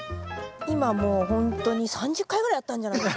今もうほんとに３０回ぐらいやったんじゃないかな。